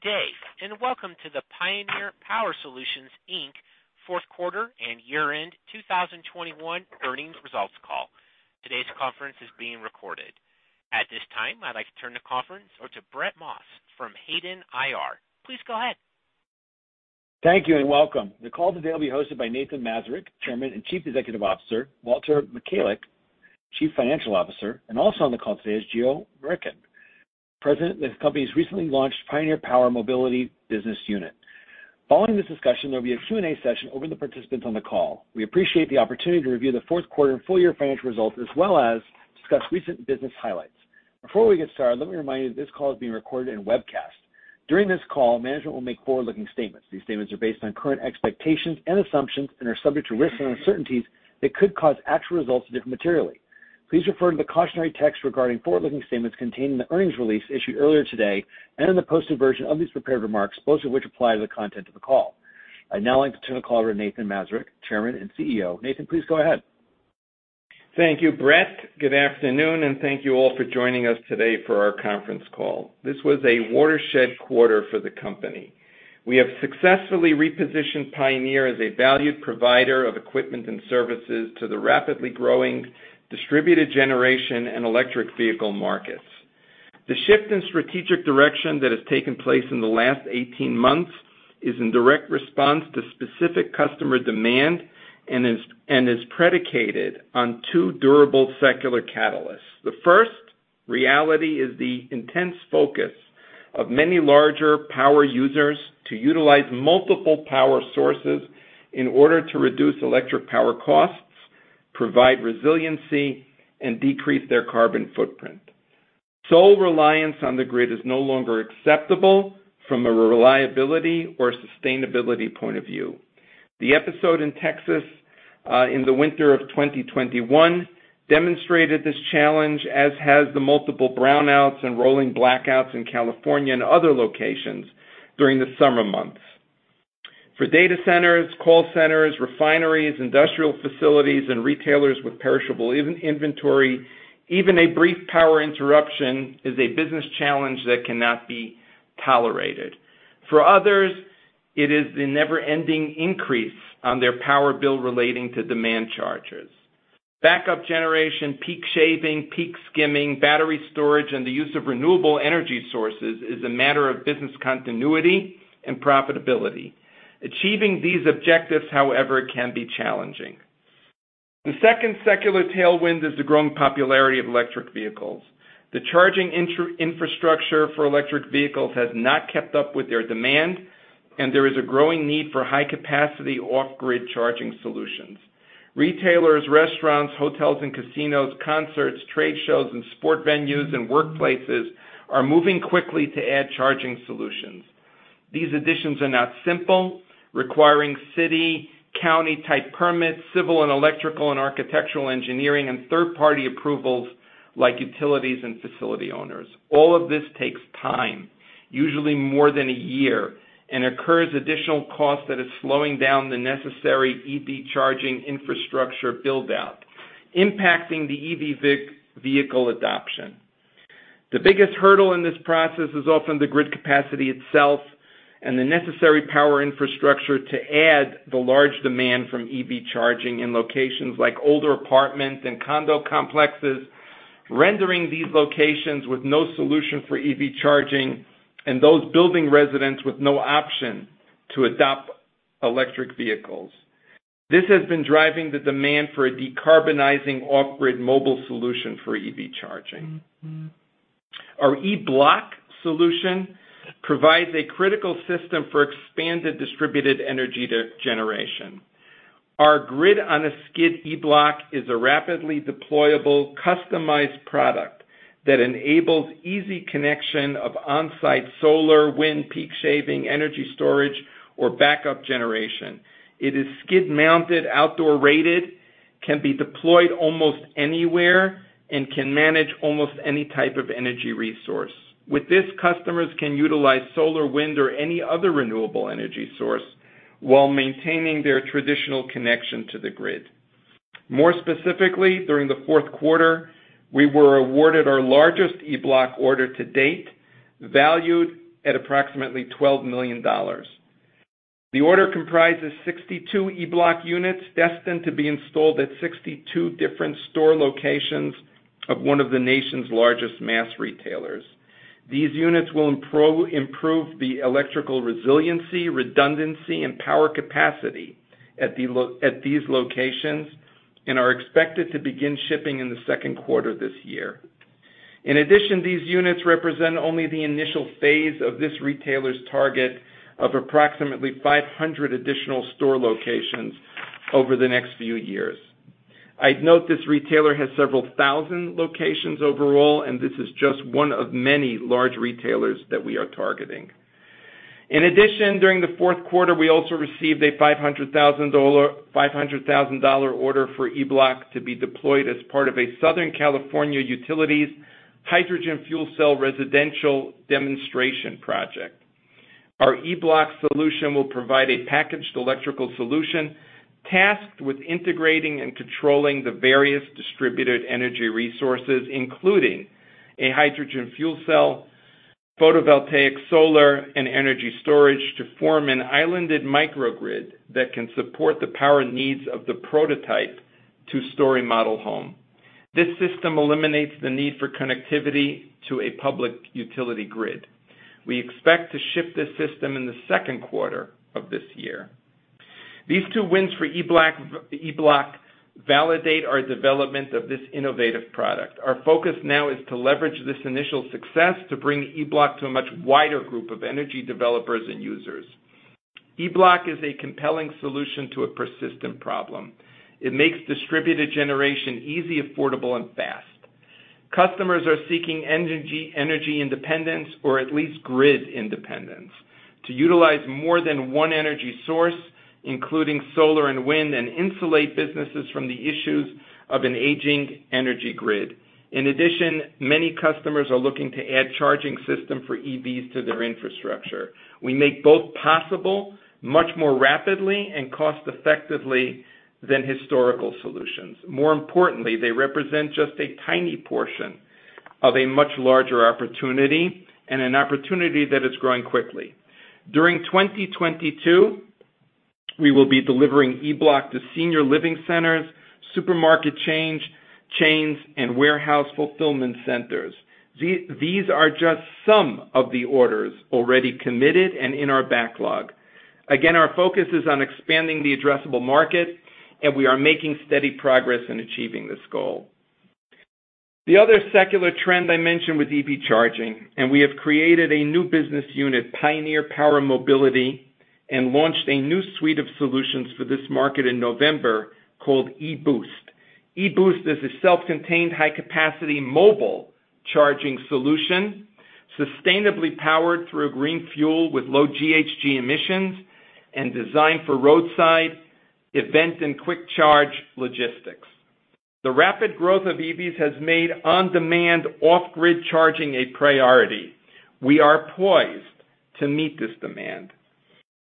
Good day, and welcome to the Pioneer Power Solutions, Inc. Fourth Quarter And Year-End 2021 Earnings Results Call. Today's conference is being recorded. At this time, I'd like to turn the conference over to Brett Maas from Hayden IR. Please go ahead. Thank you, and welcome. The call today will be hosted by Nathan Mazurek, Chairman and Chief Executive Officer, Walter Michalec, Chief Financial Officer, and also on the call today is Geo Murickan, President of the company's recently launched Pioneer Power Mobility business unit. Following this discussion, there'll be a Q&A session for the participants on the call. We appreciate the opportunity to review the fourth quarter and full year financial results as well as discuss recent business highlights. Before we get started, let me remind you that this call is being recorded and webcast. During this call, management will make forward-looking statements. These statements are based on current expectations and assumptions and are subject to risks and uncertainties that could cause actual results to differ materially. Please refer to the cautionary text regarding forward-looking statements contained in the earnings release issued earlier today and in the posted version of these prepared remarks, both of which apply to the content of the call. I'd now like to turn the call over to Nathan Mazurek, Chairman and CEO. Nathan, please go ahead. Thank you, Brett. Good afternoon, and thank you all for joining us today for our conference call. This was a watershed quarter for the company. We have successfully repositioned Pioneer as a valued provider of equipment and services to the rapidly growing distributed generation and electric vehicle markets. The shift in strategic direction that has taken place in the last 18 months is in direct response to specific customer demand and is predicated on two durable secular catalysts. The first reality is the intense focus of many larger power users to utilize multiple power sources in order to reduce electric power costs, provide resiliency, and decrease their carbon footprint. Sole reliance on the grid is no longer acceptable from a reliability or sustainability point of view. The episode in Texas in the winter of 2021 demonstrated this challenge as has the multiple brownouts and rolling blackouts in California and other locations during the summer months. For data centers, call centers, refineries, industrial facilities, and retailers with perishable inventory, even a brief power interruption is a business challenge that cannot be tolerated. For others, it is the never-ending increase on their power bill relating to demand charges. Backup generation, peak shaving, peak skimming, battery storage, and the use of renewable energy sources is a matter of business continuity and profitability. Achieving these objectives, however, can be challenging. The second secular tailwind is the growing popularity of electric vehicles. The charging infrastructure for electric vehicles has not kept up with their demand, and there is a growing need for high-capacity off-grid charging solutions. Retailers, restaurants, hotels and casinos, concerts, trade shows and sport venues and workplaces are moving quickly to add charging solutions. These additions are not simple, requiring city, county-type permits, civil and electrical and architectural engineering and third-party approvals like utilities and facility owners. All of this takes time, usually more than a year, and incurs additional cost that is slowing down the necessary EV charging infrastructure build-out, impacting the EV vehicle adoption. The biggest hurdle in this process is often the grid capacity itself and the necessary power infrastructure to add the large demand from EV charging in locations like older apartments and condo complexes, rendering these locations with no solution for EV charging and those buildings residents with no option to adopt electric vehicles. This has been driving the demand for a decarbonizing off-grid mobile solution for EV charging. Our E-Bloc solution provides a critical system for expanded distributed energy generation. Our Grid-on-a-Skid E-Bloc is a rapidly deployable, customized product that enables easy connection of on-site solar, wind, peak shaving, energy storage, or backup generation. It is skid-mounted, outdoor-rated, can be deployed almost anywhere, and can manage almost any type of energy resource. With this, customers can utilize solar, wind, or any other renewable energy source while maintaining their traditional connection to the grid. More specifically, during the fourth quarter, we were awarded our largest E-Bloc order to date, valued at approximately $12 million. The order comprises 62 E-Bloc units destined to be installed at 62 different store locations of one of the nation's largest mass retailers. These units will improve the electrical resiliency, redundancy, and power capacity at these locations and are expected to begin shipping in the second quarter this year. In addition, these units represent only the initial phase of this retailer's target of approximately 500 additional store locations over the next few years. I'd note this retailer has several thousand locations overall, and this is just one of many large retailers that we are targeting. In addition, during the fourth quarter, we also received a $500,000 order for E-Bloc to be deployed as part of a Southern California Edison hydrogen fuel cell residential demonstration project. Our E-Bloc solution will provide a packaged electrical solution tasked with integrating and controlling the various distributed energy resources, including a hydrogen fuel cell, photovoltaic solar, and energy storage to form an islanded microgrid that can support the power needs of the prototype two-story model home. This system eliminates the need for connectivity to a public utility grid. We expect to ship this system in the second quarter of this year. These two wins for E-Bloc validate our development of this innovative product. Our focus now is to leverage this initial success to bring E-Bloc to a much wider group of energy developers and users. E-Bloc is a compelling solution to a persistent problem. It makes distributed generation easy, affordable, and fast. Customers are seeking energy independence, or at least grid independence to utilize more than one energy source, including solar and wind, and insulate businesses from the issues of an aging energy grid. In addition, many customers are looking to add charging system for EVs to their infrastructure. We make both possible much more rapidly and cost-effectively than historical solutions. More importantly, they represent just a tiny portion of a much larger opportunity and an opportunity that is growing quickly. During 2022, we will be delivering E-Bloc to senior living centers, supermarket chains, and warehouse fulfillment centers. These are just some of the orders already committed and in our backlog. Again, our focus is on expanding the addressable market, and we are making steady progress in achieving this goal. The other secular trend I mentioned with EV charging, and we have created a new business unit, Pioneer Power Mobility, and launched a new suite of solutions for this market in November called e-Boost. e-Boost is a self-contained, high-capacity mobile charging solution, sustainably powered through a green fuel with low GHG emissions and designed for roadside events and quick charge logistics. The rapid growth of EVs has made on-demand, off-grid charging a priority. We are poised to meet this demand.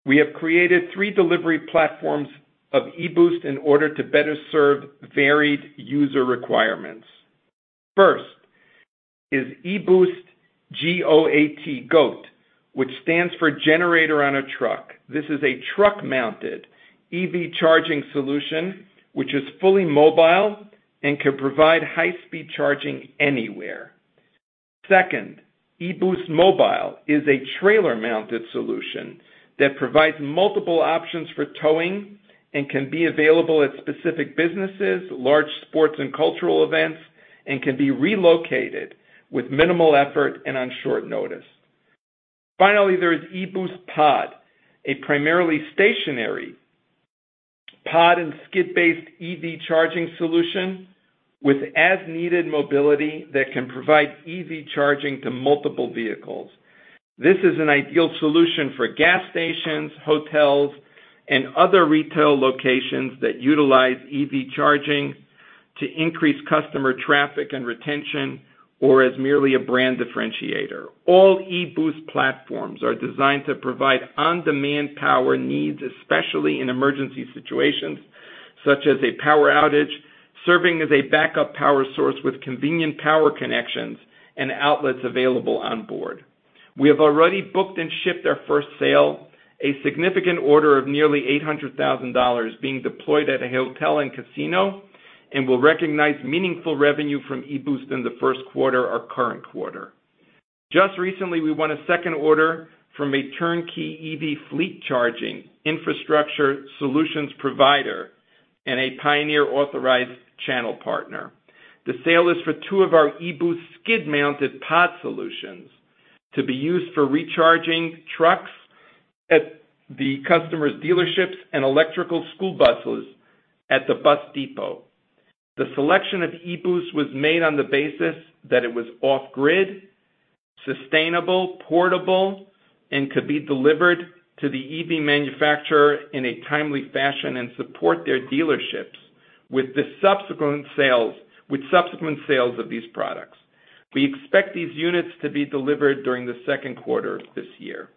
We have created three delivery platforms of e-Boost in order to better serve varied user requirements. First is e-Boost GOAT, which stands for Generator On A Truck. This is a truck-mounted EV charging solution which is fully mobile and can provide high-speed charging anywhere. Second, e-Boost Mobile is a trailer-mounted solution that provides multiple options for towing and can be available at specific businesses, large sports and cultural events, and can be relocated with minimal effort and on short notice. Finally, there is e-Boost Pod, a primarily stationary pod and skid-based EV charging solution with as-needed mobility that can provide EV charging to multiple vehicles. This is an ideal solution for gas stations, hotels, and other retail locations that utilize EV charging to increase customer traffic and retention, or as merely a brand differentiator. All e-Boost platforms are designed to provide on-demand power needs, especially in emergency situations such as a power outage, serving as a backup power source with convenient power connections and outlets available on board. We have already booked and shipped our first sale, a significant order of nearly $800,000 being deployed at a hotel and casino, and will recognize meaningful revenue from e-Boost in the first quarter or current quarter. Just recently, we won a second order from a turnkey EV fleet charging infrastructure solutions provider and a Pioneer authorized channel partner. The sale is for two of our e-Boost skid-mounted pod solutions to be used for recharging trucks at the customer's dealerships and electrical school buses at the bus depot. The selection of e-Boost was made on the basis that it was off-grid, sustainable, portable, and could be delivered to the EV manufacturer in a timely fashion and support their dealerships with the subsequent sales of these products. We expect these units to be delivered during the second quarter of this year.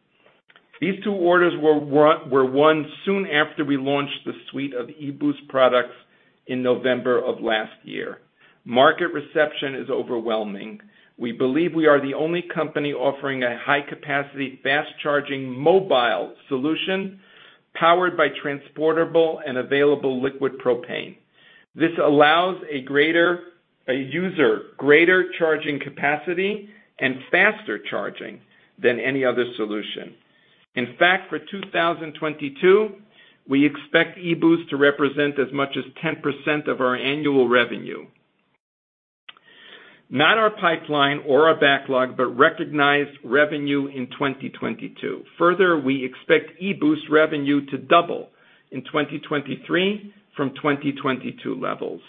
These two orders were won soon after we launched the suite of e-Boost products in November of last year. Market reception is overwhelming. We believe we are the only company offering a high-capacity, fast-charging mobile solution powered by transportable and available liquid propane. This allows users greater charging capacity and faster charging than any other solution. In fact, for 2022, we expect e-Boost to represent as much as 10% of our annual revenue. Not our pipeline or our backlog, but recognized revenue in 2022. Further, we expect e-Boost revenue to double in 2023 from 2022 levels.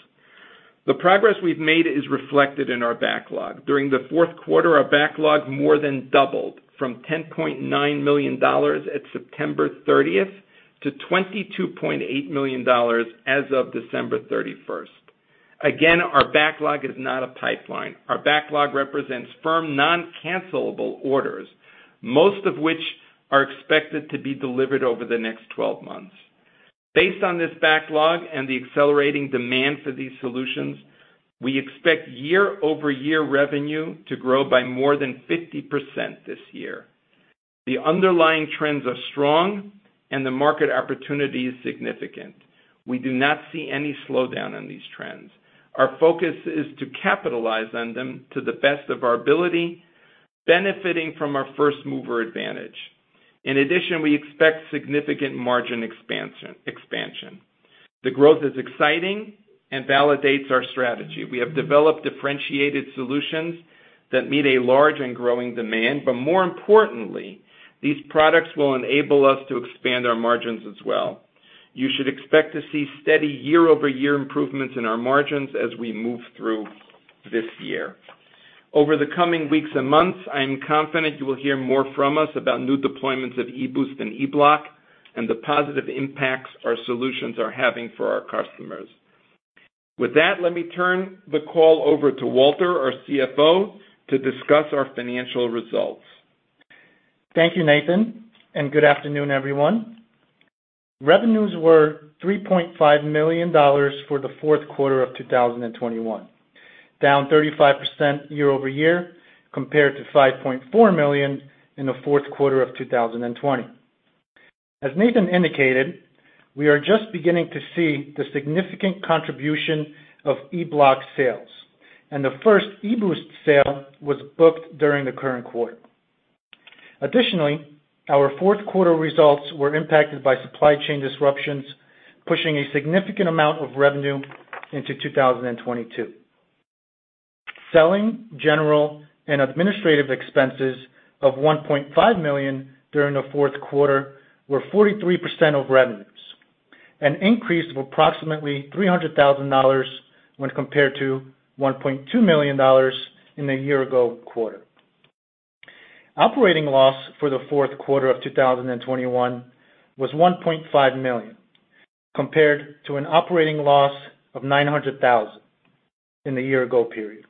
The progress we've made is reflected in our backlog. During the fourth quarter, our backlog more than doubled from $10.9 million at September 30th to $22.8 million as of December 31st. Again, our backlog is not a pipeline. Our backlog represents firm non-cancelable orders, most of which are expected to be delivered over the next 12 months. Based on this backlog and the accelerating demand for these solutions, we expect year-over-year revenue to grow by more than 50% this year. The underlying trends are strong and the market opportunity is significant. We do not see any slowdown in these trends. Our focus is to capitalize on them to the best of our ability, benefiting from our first-mover advantage. In addition, we expect significant margin expansion. The growth is exciting and validates our strategy. We have developed differentiated solutions that meet a large and growing demand. More importantly, these products will enable us to expand our margins as well. You should expect to see steady year-over-year improvements in our margins as we move through this year. Over the coming weeks and months, I am confident you will hear more from us about new deployments of e-Boost and E-Bloc and the positive impacts our solutions are having for our customers. With that, let me turn the call over to Walter, our CFO, to discuss our financial results. Thank you, Nathan, and good afternoon, everyone. Revenues were $3.5 million for the fourth quarter of 2021, down 35% year-over-year compared to $5.4 million in the fourth quarter of 2020. As Nathan indicated, we are just beginning to see the significant contribution of E-Bloc sales, and the first e-Boost sale was booked during the current quarter. Additionally, our fourth quarter results were impacted by supply chain disruptions, pushing a significant amount of revenue into 2022. Selling, general and administrative expenses of $1.5 million during the fourth quarter were 43% of revenues, an increase of approximately $300,000 when compared to $1.2 million in the year ago quarter. Operating loss for the fourth quarter of 2021 was $1.5 million, compared to an operating loss of $900,000 in the year ago period.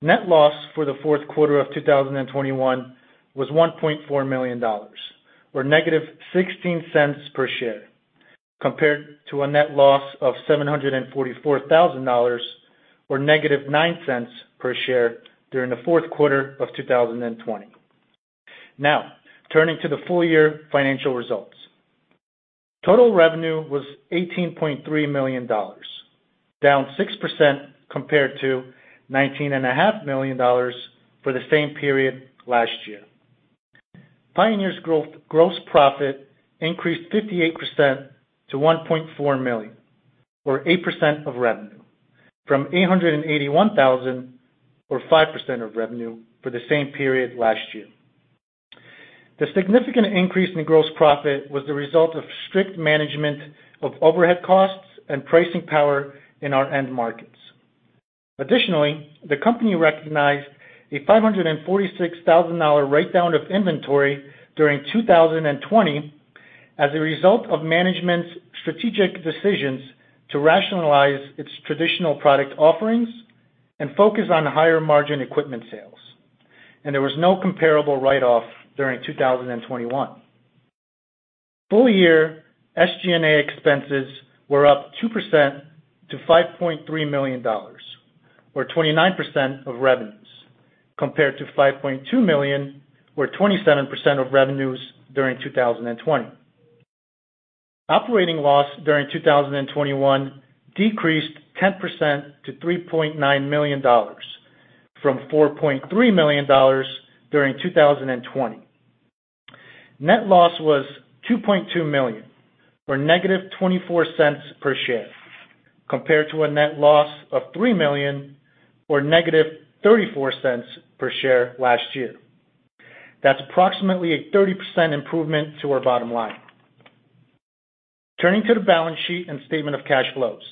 Net loss for the fourth quarter of 2021 was $1.4 million, or -$0.16 per share, compared to a net loss of $744,000 or -$0.09 per share during the fourth quarter of 2020. Now, turning to the full-year financial results. Total revenue was $18.3 million, down 6% compared to $19.5 million for the same period last year. Pioneer's gross profit increased 58% to $1.4 million or 8% of revenue from $881,000 or 5% of revenue for the same period last year. The significant increase in gross profit was the result of strict management of overhead costs and pricing power in our end markets. Additionally, the company recognized a $546,000 write-down of inventory during 2020 as a result of management's strategic decisions to rationalize its traditional product offerings and focus on higher margin equipment sales. There was no comparable write-off during 2021. Full year SG&A expenses were up 2% to $5.3 million, or 29% of revenues, compared to $5.2 million or 27% of revenues during 2020. Operating loss during 2021 decreased 10% to $3.9 million from $4.3 million during 2020. Net loss was $2.2 million or -$0.24 per share, compared to a net loss of $3 million or -$0.34 per share last year. That's approximately a 30% improvement to our bottom line. Turning to the balance sheet and statement of cash flows.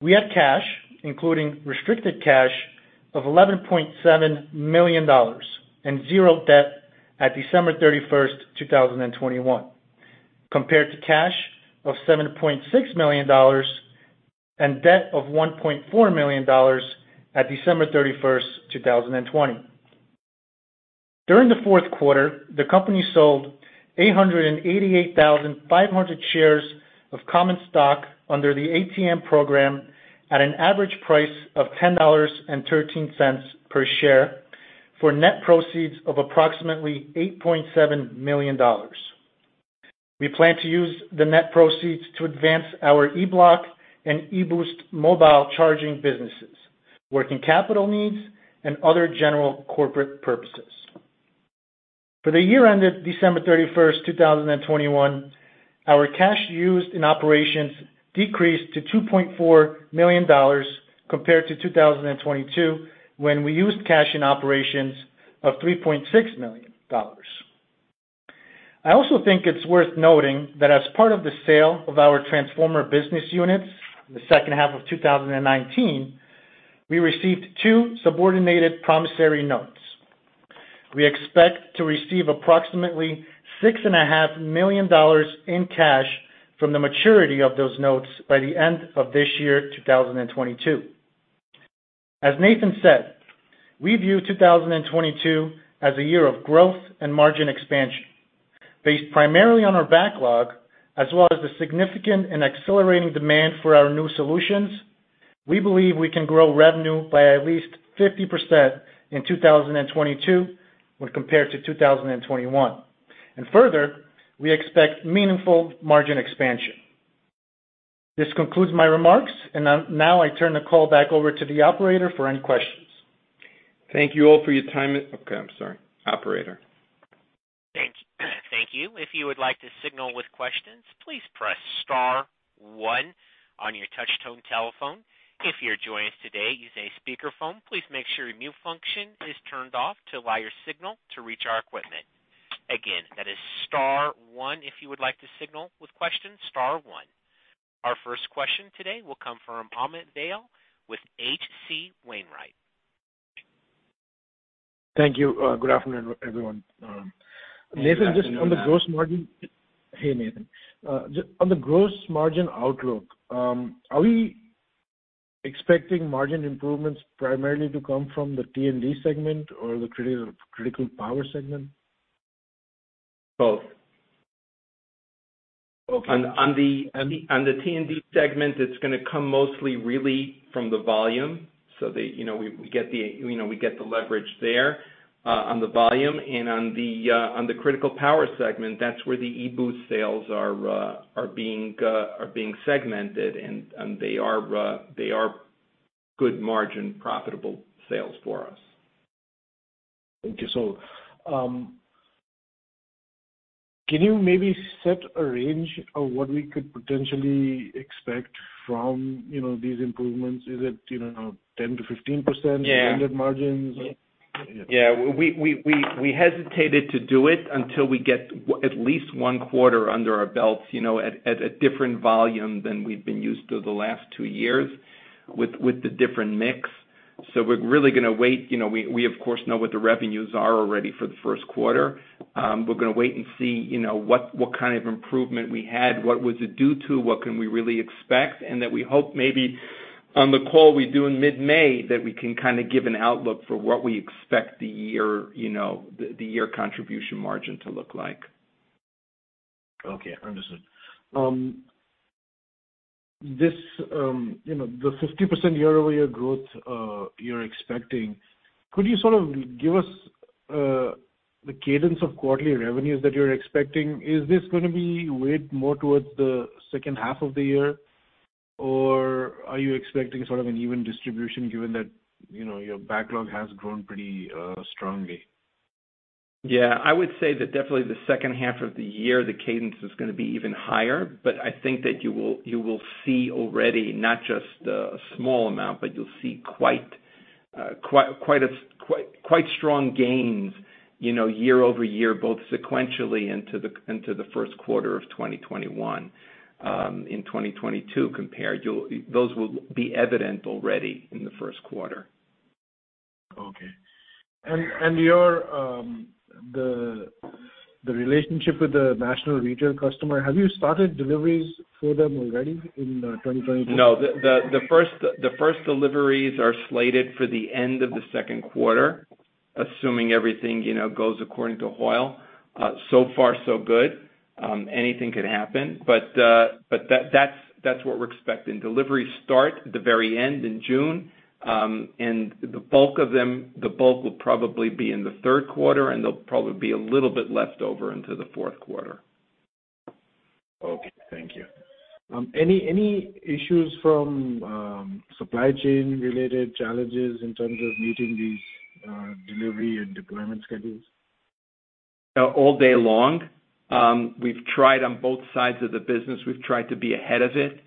We had cash, including restricted cash, of $11.7 million and zero debt at December 31st, 2021, compared to cash of $7.6 million and debt of $1.4 million at December 31st, 2020. During the fourth quarter, the company sold 888,500 shares of common stock under the ATM program at an average price of $10.13 per share, for net proceeds of approximately $8.7 million. We plan to use the net proceeds to advance our E-Bloc and e-Boost mobile charging businesses, working capital needs, and other general corporate purposes. For the year ended December 31st, 2021, our cash used in operations decreased to $2.4 million compared to 2022 when we used cash in operations of $3.6 million. I also think it's worth noting that as part of the sale of our transformer business units the second half of 2019, we received two subordinated promissory notes. We expect to receive approximately $6.5 million in cash from the maturity of those notes by the end of this year, 2022. As Nathan said, we view 2022 as a year of growth and margin expansion. Based primarily on our backlog as well as the significant and accelerating demand for our new solutions, we believe we can grow revenue by at least 50% in 2022 when compared to 2021. Further, we expect meaningful margin expansion. This concludes my remarks, and now I turn the call back over to the operator for any questions. Thank you all for your time. Okay, I'm sorry. Operator. Thank you. If you would like to signal with questions, please press star one on your touch tone telephone. If you're joining us today using a speaker phone, please make sure your mute function is turned off to allow your signal to reach our equipment. Again, that is star one if you would like to signal with questions, star one. Our first question today will come from Amit Dayal with H.C. Wainwright. Thank you. Good afternoon, everyone. Nathan, just on the gross margin. Good afternoon. Hey, Nathan. Just on the gross margin outlook, are we expecting margin improvements primarily to come from the T&D segment or the critical power segment? Both. Okay. On the T&D segment, it's gonna come mostly really from the volume so that you know we get the leverage there on the volume. On the critical power segment, that's where the e-Boost sales are being segmented, and they are good margin profitable sales for us. Can you maybe set a range of what we could potentially expect from, you know, these improvements? Is it, you know, 10%-15%? Yeah. in vendor margins? Yeah. We hesitated to do it until we get at least one quarter under our belts, you know, at a different volume than we've been used to the last two years with the different mix. We're really gonna wait. You know, we of course know what the revenues are already for the first quarter. We're gonna wait and see, you know, what kind of improvement we had, what was it due to, what can we really expect, and that we hope maybe on the call we do in mid-May, that we can kinda give an outlook for what we expect the year, you know, the year contribution margin to look like. Okay, understood. This, you know, the 50% year-over-year growth you're expecting, could you sort of give us the cadence of quarterly revenues that you're expecting? Is this gonna be weighted more towards the second half of the year, or are you expecting sort of an even distribution given that, you know, your backlog has grown pretty strongly? Yeah. I would say that definitely the second half of the year, the cadence is gonna be even higher, but I think that you will see already not just a small amount, but you'll see quite strong gains, you know, year over year, both sequentially into the first quarter of 2021, in 2022 compared. Those will be evident already in the first quarter. Okay. The relationship with the national retail customer, have you started deliveries for them already in 2022? No. The first deliveries are slated for the end of the second quarter, assuming everything, you know, goes according to Hoyle. So far so good. Anything could happen, but that's what we're expecting. Deliveries start at the very end in June, and the bulk of them will probably be in the third quarter, and they'll probably be a little bit left over into the fourth quarter. Okay, thank you. Any issues from supply chain-related challenges in terms of meeting these delivery and deployment schedules? All day long. We've tried on both sides of the business. We've tried to be ahead of it.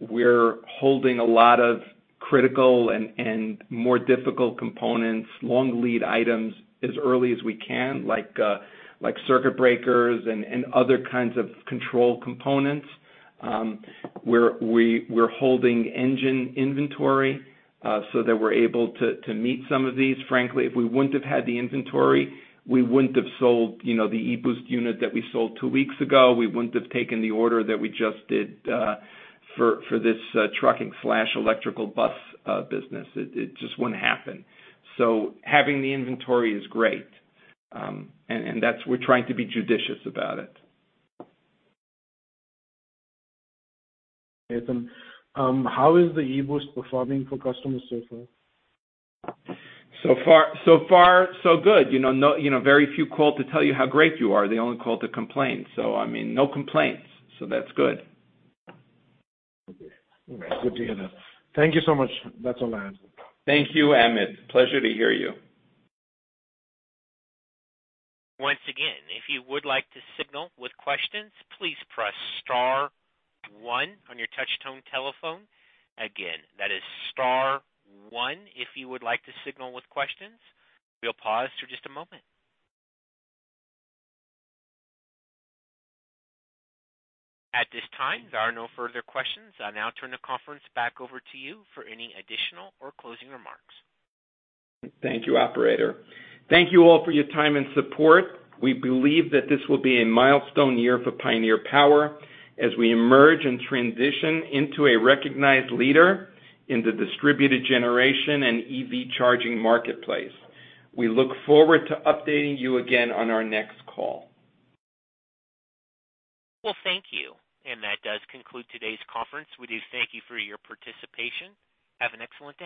We're holding a lot of critical and more difficult components, long lead items as early as we can, like circuit breakers and other kinds of control components. We're holding engine inventory so that we're able to meet some of these. Frankly, if we wouldn't have had the inventory, we wouldn't have sold, you know, the e-Boost unit that we sold two weeks ago. We wouldn't have taken the order that we just did for this trucking/electrical bus business. It just wouldn't happen. Having the inventory is great, and that's what we're trying to be judicious about it. Nathan, how is the e-Boost performing for customers so far? So far, so good. You know, very few call to tell you how great you are. They only call to complain. I mean, no complaints, so that's good. Okay. All right. Good to hear that. Thank you so much. That's all I have. Thank you, Amit. It's a pleasure to hear you. Once again, if you would like to signal with questions, please press star one on your touch tone telephone. Again, that is star one if you would like to signal with questions. We'll pause for just a moment. At this time, there are no further questions. I'll now turn the conference back over to you for any additional or closing remarks. Thank you, operator. Thank you all for your time and support. We believe that this will be a milestone year for Pioneer Power as we emerge and transition into a recognized leader in the distributed generation and EV charging marketplace. We look forward to updating you again on our next call. Well, thank you. That does conclude today's conference. We do thank you for your participation. Have an excellent day.